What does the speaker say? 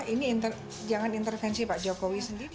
ini jangan intervensi pak jokowi sendiri